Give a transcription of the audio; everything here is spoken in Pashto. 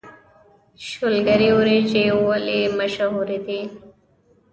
شولګرې وريجې ولې مشهورې دي؟